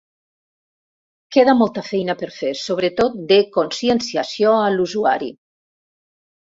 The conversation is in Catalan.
Queda molta feina per fer, sobretot de conscienciació a l’usuari.